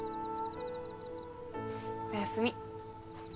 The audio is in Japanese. おやすみ。